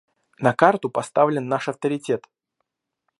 На карту поставлен наш авторитет.